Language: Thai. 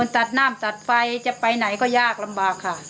ตัดน้ำตัดไฟจะไปไหนก็ยากลำบากค่ะ